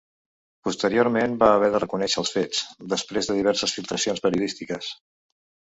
Posteriorment va haver de reconèixer els fets, després de diverses filtracions periodístiques.